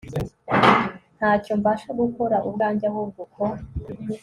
Nta cyo mbasha gukora ubwanjye ahubwo uko